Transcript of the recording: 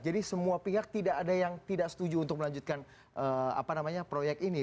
jadi semua pihak tidak ada yang tidak setuju untuk melanjutkan proyek ini